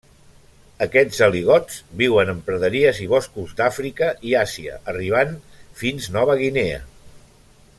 Aquests aligots viuen en praderies i boscos d'Àfrica i Àsia, arribant fins Nova Guinea.